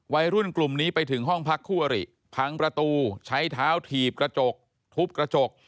วัยรุ่นกลุ่มนี้ไปถึงห้องพักคู่อริพังประตูใช้เท้าถีบกระจกทุบกระจก